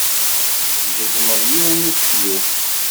Tgezmeḍ yiwen n useklu.